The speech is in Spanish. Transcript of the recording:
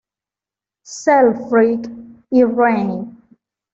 Selfridge" y en "Reign".